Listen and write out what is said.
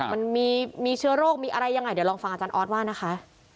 มันมีเชื้อโรคมีอะไรยังไงเดี๋ยวลองฟังอาจารย์ออสว่านะคะ